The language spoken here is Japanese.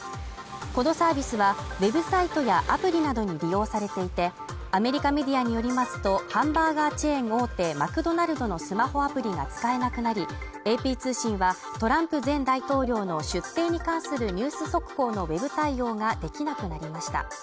このサービスは、ウェブサイトやアプリなどに利用されていて、アメリカメディアによりますと、ハンバーガーチェーン大手マクドナルドのスマホアプリが使えなくなり、ＡＰ通信はトランプ前大統領の出廷に関するニュース速報のウェブ対応ができなくなりました。